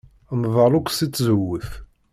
Nḍall akk seg tzewwut.